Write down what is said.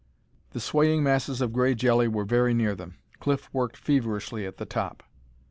_" The swaying masses of gray jelly were very near them. Cliff worked feverishly at the top.